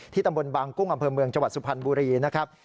ตำบลบางกุ้งอำเภอเมืองจังหวัดสุพรรณบุรีนะครับ